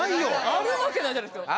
あるわけないじゃないですか。